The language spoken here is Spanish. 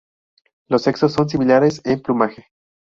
Los sexos son similares en plumaje.